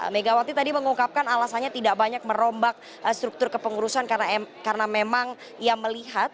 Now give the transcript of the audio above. megawati tadi mengungkapkan alasannya tidak banyak merombak struktur kepengurusan karena memang ia melihat